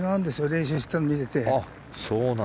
練習してるのを見てて。